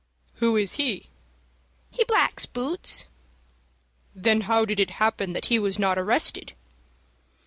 "Who is he?" "He blacks boots." "Then how did it happen that he was not arrested?"